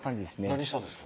何したんですか？